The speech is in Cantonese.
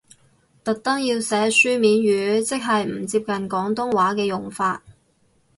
特登要寫書面語，即係唔接近廣東話嘅用法？